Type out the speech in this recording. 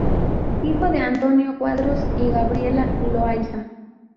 Hijo de Antonio Cuadros y Gabriela Loayza.